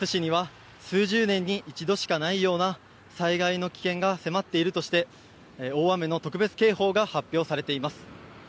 中津市には数十年に一度しかないような災害の危険が迫っているとして大雨の特別警報が発表されています。